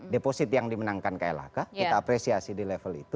deposit yang dimenangkan klhk kita apresiasi di level itu